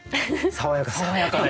爽やかさ。